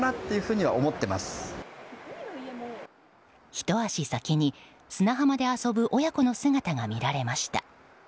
ひと足先に砂浜で遊ぶ親子の姿が見られました。